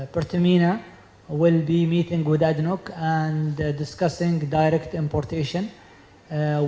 pertamina akan berjumpa dengan adnok dan berbicara tentang importasi langsung